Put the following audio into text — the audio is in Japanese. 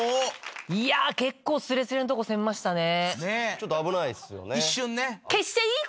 ちょっと危ないっすよね。